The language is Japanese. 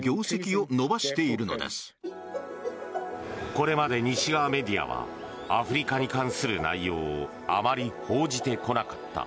これまで西側メディアはアフリカに関する内容をあまり報じてこなかった。